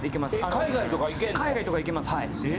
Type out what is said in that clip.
海外とか行けますはい。